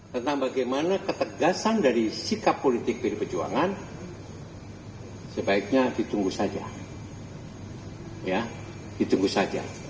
tentang bagaimana ketegasan dari sikap politik pdi perjuangan sebaiknya ditunggu saja